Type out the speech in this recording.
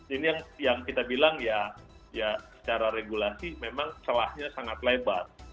ini yang kita bilang ya secara regulasi memang celahnya sangat lebar